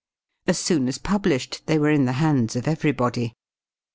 As soon as published, they were in the hands of everybody.